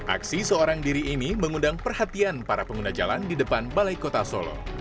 aksi seorang diri ini mengundang perhatian para pengguna jalan di depan balai kota solo